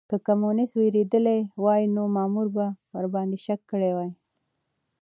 که کمونيسټ وېرېدلی وای نو مامور به ورباندې شک کړی وای.